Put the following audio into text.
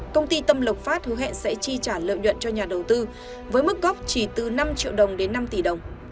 công ty tâm lộc phát hứa hẹn sẽ chi trả lợi nhuận cho nhà đầu tư với mức góp chỉ từ năm triệu đồng đến năm tỷ đồng